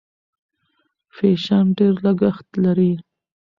فیشن ډېر لګښت لري.